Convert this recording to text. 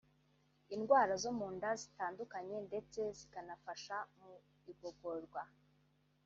indwara zo mu nda zitandukanye ndetse zikanafasha mu igogorwa